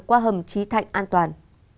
qua hầm trí thạch an toàn